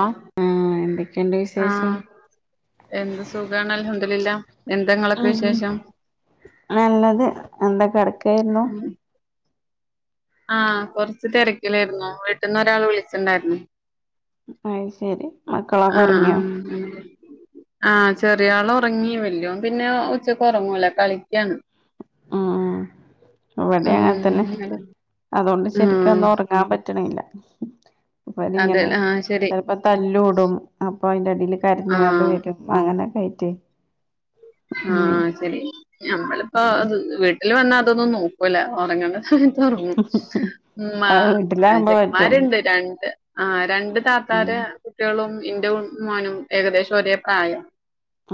ആഹ് ആഹ് എന്തൊക്കെണ്ട് വി ആഹ് എന്ത് സുഖാണ് അൽഹംദുലില്ല എന്താങ്ങളൊക്കെ ആഹ് വിശേഷം? നല്ലത് എന്താ കെടക്കായിരുന്നു? ഉം ആഹ് കൊർച്ച് തെരക്കിലായിരുന്നു വീട്ട്ന്ന് ഒരാള് വിളിച്ചിണ്ടായിരുന്നു അയ്ശെരി മക്കളൊക്കെ ഒർങ്ങിയോ? [unintelligible] ആഹ് ചെറിയ ആള് ഒർങ്ങീ വെല്യോം പിന്നെ ഉച്ചക്ക് ഒർങ്ങൂല കളിക്കാണ് ആഹ് ആഹ് ഇവിടെ അങ്ങൻ ഉം തന്നെ അങ്ങനെ അതുകൊണ്ട് ആഹ് ശരിക്കൊന്ന് ഒറങ്ങാൻ പറ്റ്ണില്ല അപ്പൊ അയ്ല്ങ്ങനെ അതെല്ലേ ആഹ് ശരി ചെൽപ്പോ തല്ലൂടും അപ്പൊ അയ്ന്റെ എടില് കരഞ്ഞ്കാണ്ട് ആഹ് വെരും അങ്ങനൊക്കെ ആയ്ട്ട് ആഹ് ശെരി ഞമ്മളിപ്പോ അത് വീട്ടില് വന്നാ അതൊന്നും നോക്കൂല ഓറ്ങ്ങ്ണെ ത് ഒർങ്ങും മ്മാ ആ വീട്ടിലാകുമ്പോ പറ്റും ചെക്കമാര്ണ്ട് രണ്ട് ആഹ് രൻ ന്റെ ഉം താത്താരെ കുട്ട്യാളും ഇന്റെ മോനും ഏകദേശം ഒരേ പ്രായം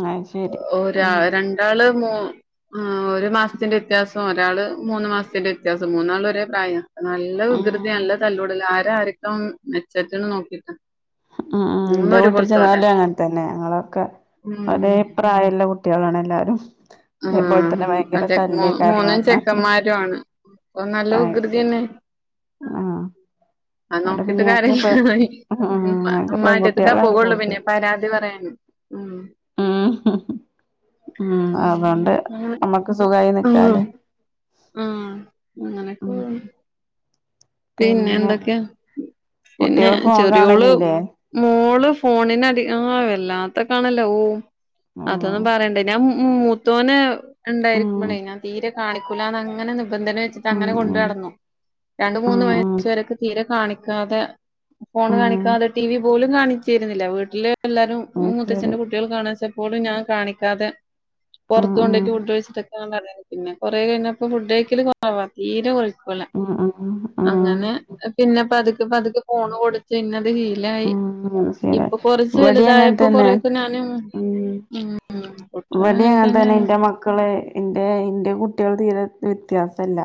അഹ് ശെരി ര രണ്ടാള് മൂ ആഹ് ഒരു മാസത്തിന്റെ വ്യത്യാസം ഒരാള് മൂന്ന് മാസത്തിന്റെ വ്യത്യാസം മൂന്നാള് ഒരേ പ്രായ നല്ല വികൃതിയാ ഉം നല്ല തല്ലൂടല ആരാ ആരിക്കും മെച്ചട്ടന്ന് നോക്കിട്ട ആഹ് ആഹ് ഇന്റെ വീട്ടില് ചെന്നാലും അങ്ങൻ തന്നെ ഞങ്ങളൊക്കെ ഉം ഒരേ പ്രായള്ളെ കുട്ട്യാളാണ് എല്ലാരും ഇതേപോലെ തന്നെ ആഹ് ഭയങ്കര ചെ തല്ലേക്കാരം മൂന്നും വന്നാ ചെക്കന്മാരൂ ആണ് നല്ല അത് ശരി വികൃതിന്നെ ആഹ് ആഹ് അവിടെ നോക്കിട്ട് പിന്നെ ഞങ്ങക്ക് പെ കാര്യല്ലാതായി ഉം ഇമ്മ ഞങ്ങക്ക് ഇമ്മാന്റെട്ത്ത്ക്ക പെൺകുട്ടികളാണ് പോകുള്ളൂ കൂടുതൽ പിന്നെ പരാതി പറയാന് ഉം ഉം ഉം അതോണ്ട് അങ്ങനെ അമ്മക്ക് സുഖായി നിക്കാല്ലേ ഉം അങ്ങനെക്കെ ഉം പോണ് പിന്നെ ന്തൊക്കെയാ പിന്നെ കുട്ടികള് ഫോൺ ചെറിയോള് കാണലില്ലേ മോള് ഫോണിനടിയാ ആ വല്ലാത്ത കാണലാ ഓ ഉം അതൊന്നും പറയണ്ടേ ഞാ മ്മ് ഉം മൂത്തോനിണ്ടായിരിക്കുമ്പോളേ ഞാൻ തീരെ കാണിക്കൂലന്നങ്ങനെ നിബന്ധന ഉം വെച്ചിട്ടങ്ങനെ ഉം കൊണ്ടടന്നു മൂന്ന് ഉം വയസരൊക്കെ തീരെ കാണിക്കാതെ ഫോൺ ഉം ഉം കാണിക്കാതെ ടി വി പോലും കാണിക്ക രുന്നില്ല വീട്ടില് എല്ലാരും അത് ശരി മൂത്തചന്റെ കുട്ടികൾ കാണിച്ചപ്പോളും ഞാൻ കാണിക്കാതെ ഉം പുറത്ത് ഉം കൊണ്ടിട്ട് ഫുഡ്ഴിച്ചിട്ടൊക്കെ പിന്നെ കുറേ കഴിഞ്ഞപ്പോ ഫുഡ് കഴിക്കല് കുറവാ തീരെ കു [unintelligible] അങ്ങനെ പിന്നെപ്പതുക്ക പതുക്കെ ഫോണ് കൊടുത്ത് പിന്നെ അത് ശീലായി ഉം ശരി ഇപ്പൊ കൊറച്ച് ഇവടിം അങ്ങനെ വലുതായപ്പോ തന്നെ കൊറൊക്കെ ഞാന് ഉം ഞാൻഅങ്ങന തന്നെനു ക്കളെ എന്റെ ന്റെ കുട്ടികള് തീരെ വ്യത്യാസല്ല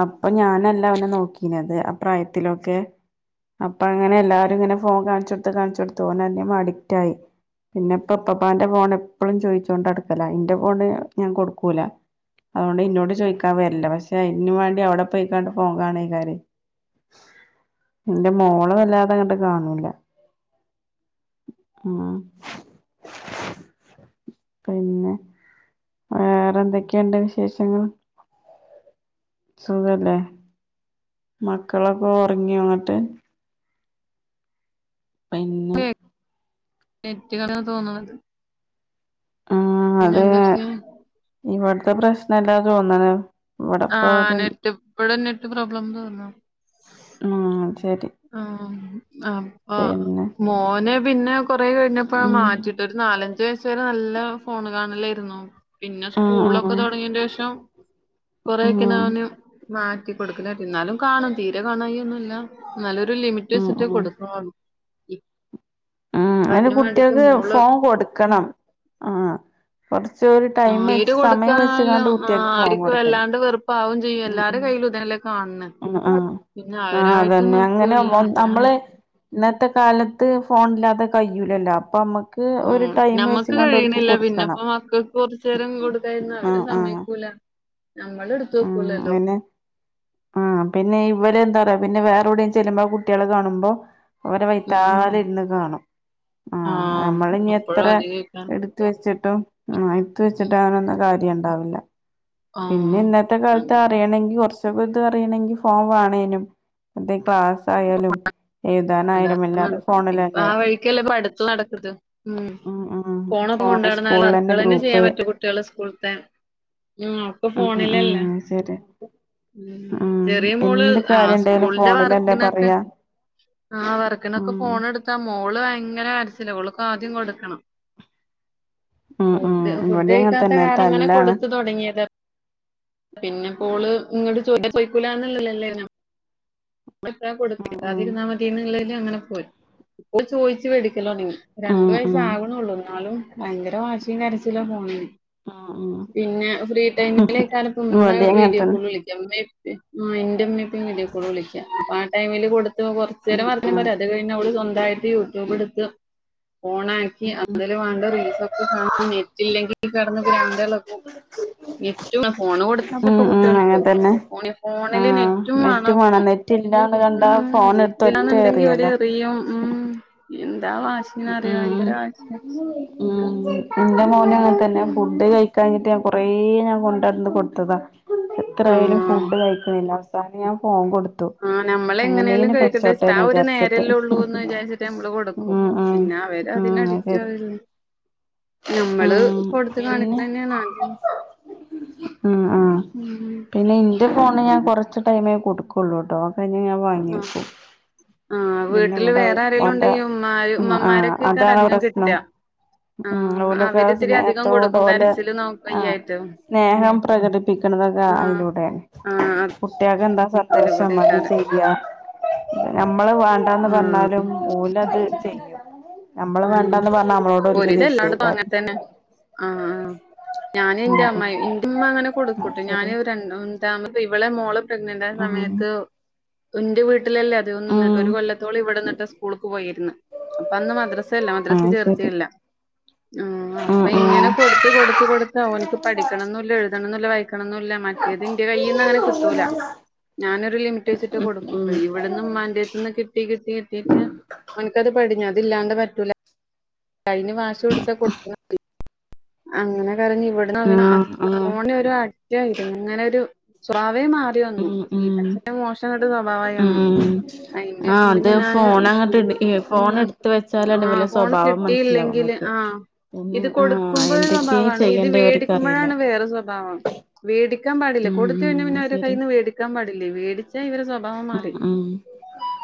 അപ്പൊ ഞാനല്ല അവനെ നോക്കീനത് ആ പ്രായത്തിലൊക്കെ അപ്പ അങ്ങനെ എല്ലാ ങ്ങനെ ഫോൺ കാണിച്ചോടുത്ത് കാണിച്ചു കൊടുത്ത് ഓനയ്മ്മ അഡിക്റ്റ് ആയി പിന്നെ ഇപ്പ ഇപ്പാപ്പന്റെ ഫോൺ എപ്പഴും ചോയിച്ചോണ്ട് നടക്കല ഇന്റെ ഫോണ് ഞാൻ കൊടുക്കൂല. അതോണ്ട് ഇന്നോട് ചോദിക്കാ വരില്ല പക്ഷെ അയിന് വേണ്ടി അവിടെ പോയിക്കാണ്ട് ഫോൺ കാണേയ്കാരം എന്റെ മോള് വല്ലാതെങ്ങണ്ട് കാണൂല ഉം പിന്നെ വേറെന്തൊക്കെയുണ്ട് വിശേഷങ്ങള്? സുഖല്ലേ? മക്കളൊക്കെ ഉറങ്ങിയൊങ്ങട്ട് [unintelligible] നെറ്റ് [unintelligible] തോന്നണത് അതെ എന്തൊക്കെയാ ഇവിടുത്തെ പ്രശ്നല്ലാ തോന്നണ് ഇവിടെപ്പ ഒരു ആനെറ്റ് എപ്പഴും നെറ്റ് പ്രോബ്ലംന്ന് തോന്നുന്നു ആ ശെരി ആ അപ്പ മോനെ പിന്നെ കൊറ കഴിഞ്ഞപ്പോ ഉം മാറ്റിട്ട് ഒരു നാലഞ്ച് വയസ് വരെ നല്ല ഫോണ് കാണലായിരുന്നു പിന്നെ ആ ആ സ്കൂളൊക്കെ തുടങ്ങിയന്റെ ഷം ഉം കൊറെക്കെ നാനും മാറ്റി കൊടുക്കലന്നാലും കാണും തീരെ കാണായിന്നുല്ല എന്നാലും ഒരു ലിമിറ്റ് ലിമിറ്റ് ഉം ഉം വെച്ചിട്ട് [unintelligible] ആ അങ്ങനെ കുട്ടിയോക്ക് മോള് ഫോൺ കൊടുക്കണം ആ കൊറച്ച് ഒരു ആ, ടൈം തീരെ വെച്ച് സമയം വെച്ച് കൊടുക്കാനാലും കാണ്ട് കുട്ടിയൊക് ഫോണ് കൊടുക്കണം. പാവം ചെയ്യും ഉം എല്ലാരും ഉം കയ്യിലുംഇതല്ലേ കാണ് ണ്ണേ ആ ആഹ അതന്നെ അങ്ങനാവുമ്പം നമ്മള് ഇന്നത്തെ കാലത്ത് ഫോണില്ലാതെ കഴി യൂലല്ലോ അപ്പൊമ്മ ഉം നമ്മക്ക് കഴിയിണില്ല കൊടുക്കണം പിന്നെപ്പ മക്കൾക്ക് കൊറച്ചു നേരം കൊടുക്കായിരുന്നു ആ അവര് ആ സമ്മയ്ക്കൂല ആ നമ്മളടുത്തൂവെക്കൂല്ലലോ അങ്ങനെ ആ പിന്നെ ഇവര് എന്താ പറയാ പിന്നെ വേറെ എവിടെയും ചെല്ലുമ്പോ കുട്ടിയോള് കാണുമ്പോ ഒരെ വൈത്താല ആഹ് ഇരുന്ന് കാണും ആ ആഹ് നമ്മൾ ഇനി എത്ര അപ്പഴാ അധികഴിക്കാറ് എടു ഇട്ത്ത് വെച്ചിട്ടും ഇട്ത്ത് വെച്ചിട്ട് അതൊണ്ട് കാര്യം ഉണ്ടാവില്ല. ആഹ. ഈ കാലത്ത് അറിയണെങ്കിൽ കുറച്ചക്കെ ഇത് അറിയണെങ്കിൽ ഫോം വണേന്നും. മറ്റേ ക്ലാസ് ആയാലും. എഴുതാൻ അല്ല നട ഇപ്പ ആ വഴിക്കല്ലേ ഇപ്പ അടുത്ത് നടക്കത് ഉം ഉം ഫോണൊക്ക ഫോണ് കൊണ്ട്നടന്നാൽ സ്കൂളിലന്നെ വർകളെന്നെ ഗ്രൂപ്പ് ചെയ്യാൻ പറ്റെ കുട്ടിളെ സ്കൂൾത്തെ ഇപ്പോ ഉം ഉം ഫോണിലല്ലേ ശരി ഉം ചെറിയ മോള് എന്ത് ആ കാര്യം ഇണ്ടേലും സ്കൂളിന്റെ വർക്ക് ഫോണിലല്ലേ പറയാ [unintelligible] ആ വർക്കിനൊക്കെ ഉം ഫോൺ എടുത്താ മോള് ഭയങ്കര കരച്ചിലാ ഓൾക്ക് ആദ്യം കൊടുക്കണം. [inaudible] ഉം ഉം ഫുഡ് ഫുഡ് ഇവിടേം അങ്ങനെ കഴിക്കാത്ത തന്നെ കാരണം ഇങ്ങനെ തല്ലാണ് കൊടുത്ത് താെടങ്ങേത് പിന്നെപ്പോള് ഇങ്ങട് ചോയ് ചോദിക്കൂലാന്ന്ള്ള ല്ലെല്ലേനോ മറ്റേ ഉം ഉം കൊടുക്കാതിരുന്നാ മത്യയ് എന്നുള്ള്നാ അങ്ങനെ പോയി ഇപ്പോ ഓള് ചോയ്ച്ച് വേടിക്കലൊണ്ടങ്ങി ഉം രണ്ടു ഉം വയസാവ്ണാെള്ളൂ ഇന്നാലും ഭയങ്കര വാശിയും കരച്ചിലോഫോണിന് ഉം ഉം പിന്നെ ഫ്രീ ടൈമിലേക്കാരം ഇപ്പ ഇമ്മേ ഇവിടേം അങ്ങനെ വീഡിയോ തന്നെ കോള് വിളിക്ക് ന്റെ ഇമ്മിം ഇപ്പിം ഉം ഇന്റെ ഇമ്മിം ഇപ്പിംവീഡിയോ കോൾ വിളിക്കാ അപ്പൊ ആ ടൈമില് കൊട് ത്തോ ഉം കൊറ്ച്ചേരം വർത്താനം ആഹ് പറ്യാ അത് കഴിഞ്ഞ അവള് സ്വന്തായിട്ട് യൂട്യൂബ് ഇട്ത്ത് ഓണാക്കി ഉം അതില് വാണ്ട റീൽസ് ഒക്ക കാണും നെറ്റ് ഇല്ലെങ്കി കെടന്ന് ഭ്രാന്ത് എളകും റ്റു ഫോണ് ഉം കൊടുത്താത്തപ്പ ഉം കുട്ട്യാൾക്ക് അങ്ങനെ തന്നെ ഫോണ് ഫോണില് നെറ്റും വേണം ഒപ്പം റ്റില്ലാന്ന് വ ഉം നെറ്റ്ല്ലാന്ന്ണ്ടെങ്കി ഓല് എറിയും ഉം എന്താ വാശി ന്നറിയോ ഉം ഭയങ്കര വാശിയാ ഉം ഇന്റെ മോനും അങ്ങൻതന്നെ ഉം ഫുഡ് കഴി കഴിക്കാഞ്ഞിട്ട് ഞാൻ കൊറെ ഞാൻ കൊണ്ടടന്ന് കൊട്ത്തതാ എത്രായാലും ആഹ് ഫുഡ് കഴിക്ക്ണില്ല അതാണ് ഞാൻ ഫോൺ കൊട് ആഹ് നമ്മള് എങ്ങനെലും കഴിക്കട്ടെച്ച്ട്ട് ആ ഒരു വിചാരിച്ചിട്ട് നേരെല്ലേ ഒള്ളൂ ന്ന് വിചാരിച്ചിട്ട് നമ്മള് കൊട് ക്കും ഉം ഉം പിന്നെ അവര് ഉം അത് ശരി അതിനടിറ്റാവല്ലെ നമ്മള് ഉം കൊടുത്ത് പിന്നെ കാണിക്ക്ണന്നെണ് ആദ്യം ഉം ആഹ് ഉം ഉം ഇന്റെ ഫോണ് ഞാൻ കാെറച്ച് ടൈമേ കൊടുക്കൊള്ളൂട്ടോ കഴിഞ്ഞാ ഞാൻ ആഹ് വാങ്ങ്യക്കും ആഹ് പിന്നെ വീട്ടില് ഇവടെ അഹ് വേറെ ആരേലും ഓന്റെ ഉണ്ടെങ്കി ഉമ്മാര് അഹ് ആഹ് ഉമ്മമാരൊക്കേക്കാരം അതാണ് അധികം പ്രശ്നം കിട്ടാ ഉം ആഹ് ഓലൊക്കെ ആ അവരിത്തിരി അധികം കൊടുക്കും സ്നേഹത്തോടോലെ കരച്ചില് നോ ആഹ് വയ്യായിട്ട് സ്നേഹം പ്രകടിപ്പിക്ക്ണതൊക്കെ ആഹ് അയിലൂടെണ് ആഹ് കുട്ട്യാക്കന്താ അതില് സന്തോഷം അത് കൂടേക്കാരം ചെയ്യാ ഞമ്മള് വാണ്ടാന്ന് ആഹ് പറഞ്ഞാലും ഓല് അത് ചെയ്യും നമ്മള് ആഹ് വേണ്ടാന്ന് പർഞ്ഞാ നമ്മളോട് ഓൽക്ക് ഒരുവിധം എല്ലായിടത്തും ദേഷ്യംയ്ക്കാരം അങ്ങനെ തന്നെ ആഹ് ആഹ് ഞാന് ഉം ന്റെ ഉം അമ്മായ് ന്റെ ഇമ്മ അങ്ങനെ അത് കൊടുക്കുട്ടോ ശരി ഞാന് ഒരു രണ്ട് ണ്ടാമത്തെ ഇവടെ മോളെ പ്രഗ്നന്റ് ആയ ഉം സമയത്ത് ഇന്റെ വീട്ടിലല്ലെ ത്- അധികം നിന്ന്ട്ട് ഒരു ഉം കൊല്ലത്തോളം ഇവിടന്നിട്ട് സ്കൂൾക്ക് പോയിര്ന്ന് അപ്പൊ അന്ന് മദ്രസല്ല മദ്രസ് അത് ചേർച്ചീത്തി ശരി ല്ലാ ആഹ് ഉം അപ്പൊ ഇങ്ങനെ കൊട് കൊട്ത്ത് കൊടുത്ത് ഓൻക്ക് പഠിക്കണംന്നുല്ല എുഴുതണ്ണം ന്നില്ല വായിക്കണംന്നുല്ല മറ്റേത് ഇന്റെ കൈയിന്ന് അങ്ങനെ കിട്ടൂല ഞാനൊരു ലിമിറ്റ് വെച്ചിട്ടെ ഉം ഉം കൊടുക്കാെള്ളൂ ഉം ഇവിടെന്ന് മ്മാന്റെട്ത്ത്ന്ന് കിട്ടി കിട്ടി കിട്ടീട്ട് ഓൻക്കത് പടിഞ്ഞു അത് ഇല്ലാണ്ടപറ്റൂല അയിന് വാശി പിടിച്ചാ കൊടുക്കണം തെ അങ്ങനെകരഞ്ഞ് ഇവിടന്ന് അവന് ആഹ് ആഹ് ഫോണിന് ഇവര് അടിറ്റായിരുന്ന് ഇങ്ങനെ ഒരു സ്വഭാവേ മാ റ്റി വന്നു ഉം [unintelligible] അങ്ങട്ട് സ്വഭാവമായി ഉം വന്നു ഉം അതിന്റെ ആഹ് ശേഷം അത് പിന്നെ ഞാന് ഫോൺ അങ്ങട്ട് ഇട്ക്കെ ഫോൺ എട് ട്ത്ത് വെച്ചാലല്ലെ ആ ഇവലെ ഫോൺ സ്വഭാവം മനസ്സിലാവ അമ്മക്ക് പിന്നെ ആഹ് ക്കുമ്പോ ഒരു എന്തൊക്കെ സ്വഭാവമാണ് ഇത് ചെയ്യണ്ടേ ഇവർക്കറിയില്ല വേടിക്കുമ്പഴാണ് വേറെ സ്വഭാവം വേടിക്കാൻ പാടില്ല ഉം കൊടുത്തു ഉം കഴിഞ്ഞാ പിന്നെ അത് അവര് ശരി കൈയിന്ന് വേടിക്കാൻ പാടില്ലേ വേടിച്ചാ ഇവരെ സ്വഭാവം ഉം മാറി ഉം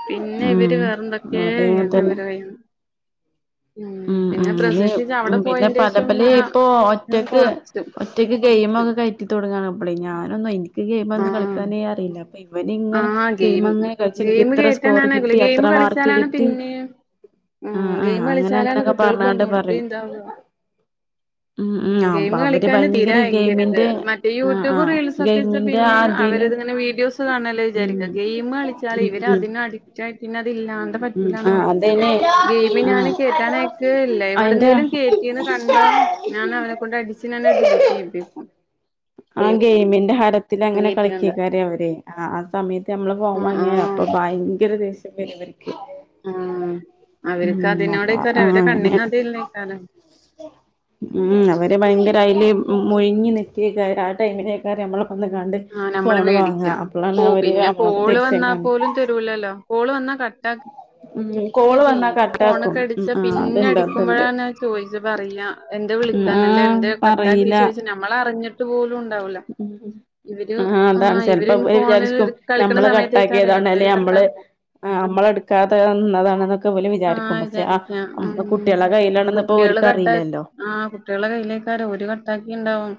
പിന്നെ ഉം ഇവര് വേറെന്തൊക്കേ ഇവിടെ അങ്ങനെ എങ്ക തന്നെ അവര കയ്യിന്ന് ഉം പിന്നെ പ്രസവീച്ച അവടെ പോയേന്റെഷ് ഇബലെ ഇപ്പൊ ഒറ്റക്ക് ഒറ്റക്ക് ഗെയിമൊക്കെ കയറ്റി തുടങ്ങാണ് ഇപ്പളെ ഞാനൊന്നും എനി നിക്ക് ഗെയിമൊന്നും ആ കളിക്കാനേ അറീല്ല ഇവനിങ്ങനെ ആഹ് ഗെയിം ഗെയിംങ്ങനെ കൾച് ഇൻക്ക് ഗെയിം ഇത്ര സ്കോർ കേറ്റാനാണ് കളി. കിട്ടി ഗെയിം അത്ര മാർക്ക് കളിച്ചാലാണ് കിട്ടി പിന്നെയും ആഹ് ആഹ് അങ്ങനെ അങ്ങനൊക്കെ പറഞ്ഞാണ്ട് കുട്ട്യാൾക്കൊന്നൂടി പറയും ഇതാവാ ഉം അപ്പ ഗെയിമ് അവര് കളിക്കാന് തീരെ ഭയങ്കര അയക്കര്ത് ഗെയിമിന്റെ മറ്റേ ആഹ് യൂട്യൂബ് ആഹ് റീൽസ് ഒക്കെച്ച ഗെയിമിന്റെ ആ പിന്നെ ഇതില് അവരന്നെ ഇങ്ങനെ വീഡിയോസ് കാണല്ലേ വിചാരിക്ക ഉം ഗെയിം കളിച്ചാലെ ഉം ഉം ഇവരതിനടിറ്റ് [unintelligible] അത് ഇല്ലാണ്ട് ഉം ആഹ് പറ്റൂല്ലാന്നാവും അതന്നെ ഗെയിമ് ഞാൻ ആഹ് കേറ്റാനായ്ക്ക് അയിന്റെ ലൈവിടുന്നേലും കേറ്റീന്ന് കണ്ട ഞാൻ അവനെക്കൊണ്ട് അടിച്ച് ഞാനത് ഡിലീറ്റ് ചെയ്യിപ്പിക്കും ആഹ് ഗെയിം ഗെയ്മിന്റെ ഹര ത്തിലങ്ങനെ കേറ്റി കണ്ടാ കളി‌ക്കിക്കാരെ അവരെ ആ ആ സമയത്ത് നമ്മള് ഫോൺ ആഹ് വാങ്ങിയ ആഹ് അപ്പൊ ഭയങ്കര ദേഷ്യം വരും അവർ ക്ക് ആഹ് അവർക്ക് അതിനോടേക്കാലം ആ അവര് അങ്ങനെയാണ് കണ്ണിങ്ങതല്ലേക്കാലം ഉം അവര് ഭയങ്കര അയില് മുഴിങ്ങി നിക്കേക്കാര് ആ ടൈമിലേക്കാര് നമ്മള് വന്നിങ്ങാണ്ട് ആഹ് നമ്മള് ഫോണ് വാങ്ങാ വേടിക്കാ അപ്പളാണ് അവര് അമ്മളോട് ദേഷ്യം കാണി തരൂല്ലല്ലൊ കോള് വന്നാ കട്ടാ ഉം ക്കെ കോള് വന്നാ ചെയ്യും കട്ടാക്കും ഫോണൊക്കെ ഉം അടിച്ച ആഹ് പിന്നെ അത്ണ്ട് അത്ണ്ട് അടിക്കുമ്പഴാണ് ചോദിച്ച പറയാ എന്തെ ഉം വിളിക്കാഞ്ഞെ അല്ലെ ആഹ് എന്തെ കട്ടാക്കി പറീല ചോദിച്ചാല് നമ്മളറിഞ്ഞിട്ട് പോലും ഉണ്ടാവൂല്ല ഉം ഉം ആഹ് അതാണ് ചിലപ്പോ [unintelligible] ഫോണിൽ വിചാരിക്കും കളിക്കണ ഞമ്മള് സമയത്തേക്കാരെ കട്ടാക്കിയതാണ് അപ്പൊ അല്ലെ ഇവര് നമ്മള് കട്ടാക്കും ആഹ് നമ്മളെടുക്കാത്തതാണ് അതാണിതൊ ക്കെ ഓല് ആഹ് വിചാരിക്കും പക്ഷെ ആ വിചാരിക്കാം ഉം കുട്ടികളെ കയ്യിലാണെന്ന് ഇപ്പൊ കുട്ടികള് ഓരിക്ക് കട്ടാക്കി അറിയില്ലല്ലൊ ആഹ് കുട്ടികളുടെ കയ്യിലേക്കാരോം ഓര് കട്ടാക്കി ഇണ്ടാവും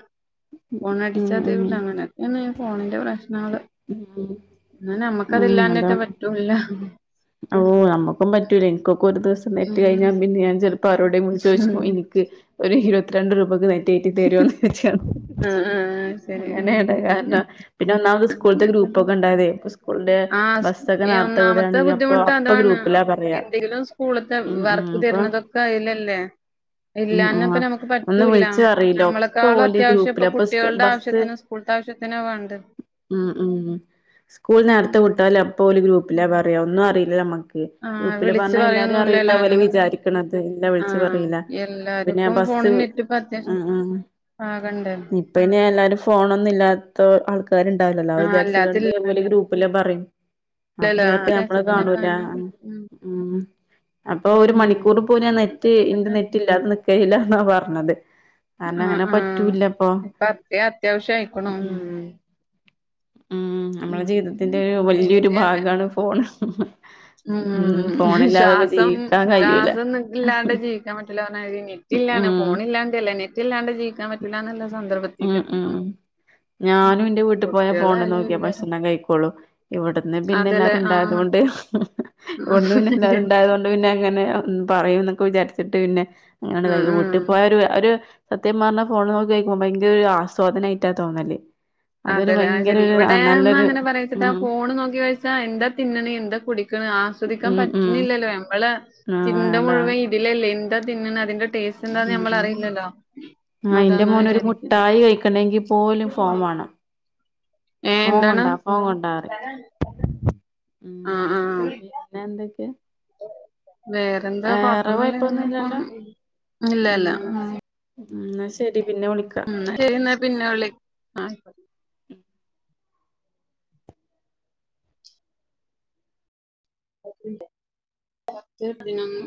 ഫോണടിച്ച ഉം ഉം തരൂല്ല അങ്ങനെ ഇങ്ങനേണ് ഫോണിന്റെ പ്രശ്നങ്ങള് ഉം പിന്ന നമ്മക്കതില്ലാഞ്ഞട്ട് പറ്റു ഇല്ല ഓഹ് നമ്മുക്കും പറ്റൂല എനിക്കൊക്കെ ഒരു ദിവസം നെറ്റ് കഴിഞ്ഞാ പിന്നെ ഞാൻ ചെല പ്പാരോടെ വിളിച്ച് ചോദിച്ചപ്പൊ ഉം എനിക്ക് ഒരു ഇരുപത്തിരണ്ട് രൂപക്ക് നെ റ്റ് കേറ്റി തരോന്ന് ചോയ്ച്ചാണ് ആ ആ ശരി ഉം. അങ്ങനേണ് കാരണം പിന്നെ ഒന്നാമത് സ്കൂളത്തെ ഗ്രൂപ്പ് അങ്ങനെയൊക്കെയുണ്ട്. ഒക്കെ എണ്ടായതേ സ്കൂളിന്റെ ബസ്സൊക്കെ നേരത്തെ വിടേണെങ്കി അ ത്തതാണ് എന്തെങ്കിലും സ്കൂളത്തെ ഉം ഉം വർക്ക് അപ്പൊ തരുന്നതൊക്കെ അയില്ലല്ലേ ഉം ഉം ഇല്ലഞ്ഞപ്പ നമുക്ക് ഒന്ന് പറ്റൂല്ല വിളിച്ച് പറയില്ല ഒക്കെ നമ്മളെക്കാളും ഓല് അത്യാവശ്യം ഇപ്പൊ ഗ്രൂപ്പില അപ്പൊ കുട്ടികളുടെ ബസ്സ് ആവശ്യത്തിന് സ്കൂളിത്ത ആവശ്യത്തിനാ വേണ്ടത് ഉം ഉം സ്കൂൾ നേരത്തെ ഉം വിട്ടാല് അപ്പോല് ഗ്രൂപ്പിലാ പറയാ ഒന്നും അറിയില്ല നമ്മക്ക് ആ ഗ്രൂപ്പില് വിളിച്ച് പറഞ്ഞാ എല്ലാരും അറിയുന്ന പറയൊന്നുല്ലല്ലോ പോല നമ്മ വിചാരിക്കണത് ഇല്ലാ ആ വിളിച്ച് പറയില്ല പിന്ന ബസ്സ് ട്ടിപ്പ് അത്യാവശം ആകണ്ടെ പിന്നെ എല്ലാരും ഫോണൊന്നും ഇല്ലാത്ത ആൾക്കാരുണ്ടാവില്ലല്ലോ ആ അത് വിചാരിച്ച് അല്ലാത്തില്ലല്ലോ കണ്ട് ഗ്രൂപ്പില പറയും [unintelligible] കാണുവല്ലെ ആഹ് ഉം അപ്പൊ ഒരു ഉം മണിക്കൂർ പോലും നെറ്റ് അതൊക്കെ ഇന്റെ തന്നെ നെറ്റ് ഇല്ലാതെ നിക്കേ ഇല്ലാന്നാ പറഞ്ഞത് കാരണം ആഹ് അങ്ങനെ ആഹ് പറ്റൂല്ലപ്പൊ ഇപ്പ അത്രേ അത്യാവശ്യം ആയിക്കണു ഉം ഉം നമ്മള ജീവിതത്തിന്റെ ഉം ഒരു വല്ല്യൊരു അതെ അതെ ഭാഗാണ് ഫോൺ ഉം ശ്വാസം ജീവിക്കാൻ കഴിയൂല ശ്വാസംനി‌ക്കില്ലാണ്ട് ജീവിക്കാൻ പറ്റില്ല പറഞ്ഞമാതിരി തന്നേണ് നെറ്റില്ലാണ് ഉം ഫോണില്ലാണ്ടല്ല നെറ്റ് ഇല്ലാണ്ട് ജീവിക്കാൻ പറ്റില്ലാന്നുള്ള സന്ദർഭത്തേക്ക് ഉം ഉം എത്തീക്കുണു ഞാനും എന്റെ വീട്ടി പോയ ഫോണില് നോക്കിയ എല്ലാരും ഭക്ഷണം കഴിക്കോള്ളു ഇവിടുന്ന് പിന്നെ അതെല്ലേ എല്ലാരും ആഹ് ഉണ്ടായത്കൊണ്ട് ആഹ് ഇവിടുന്ന് പിന്നെ എല്ലാരും ശരി ഇണ്ടായതോ ണ്ട് പിന്നെങ്ങനെ പറയും എന്നൊക്കെ വിചാരിച്ചിട്ട് പിന്നെ അങ്ങനെതായി ആഹ് വീട്ടീ ആഹ് പോയ ഒര് ഒരു സത്യം പറഞ്ഞാ ഫോണില് നോക്കി കഴക്കുമ്പ ഭയങ്കര ഒരു ആസ്വാദനായിട്ടാ തോന്നല് അതൊരു അതെല്ലേ ഭയങ്കര ശരി ഒരു ഇവിടേന്ന് നല്ലൊരു അങ്ങനെ പറയച്ചിട്ടാ ഉം ഫോണ് നോക്കി കഴി എന്താ തിന്നണെ എന്താ കുടിക്കണെ ആസ്വദിക്കാൻ ഉം ഉം പറ്റണില്ലല്ലോ നമ്മളെ ആഹ് ചിന്ത അതാണ് മുഴുവൻ ഇതിലല്ലേ എന്താ തിന്നണെ അതിന്റെ ടേസ്റ്റ് എന്താന്ന് ഉം നമ്മള് അറിയില്ലല്ലോ ആഹ് അന്റെ മോനൊരു മുട്ടായി കഴിക്കണങ്കി പോലും ഫോൺവേണം ഏഹ് എന്താണ്? ഫോൺകണ്ടാ ഫോൺകണ്ടാറയും ഉം ആഹ് ഉം ആഹ്. പിന്നെ എന്തൊക്കെയാ വേറെന്താ കൊഴപ്പൊന്നുല്ല ഇങ്ങനെ കൊഴപ്പൊന്നുല്ലല്ലോ പോന്നു ഇല്ലില്ല എന്ന ശരി പിന്നെ വിള ഉം എന്നാ ശരിയന്ന പിന്നെ വിളി ആഹ് [unintelligible] ഉം പത്ത് പതിനൊന്ന്